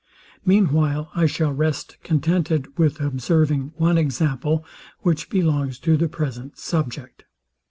Mean while I shall rest contented with observing one example, which belongs to the present subject.